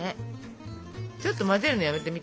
ちょっと混ぜるのやめてみて。